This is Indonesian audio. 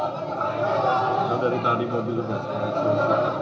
dari bali mobil